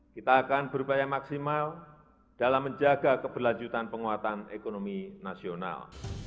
kita akan berupaya maksimal dalam menjaga keberlanjutan penguatan ekonomi nasional